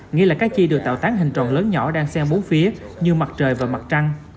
nghĩa là các chi được tạo tán hình tròn lớn nhỏ đang xem bốn phía như mặt trời và mặt trăng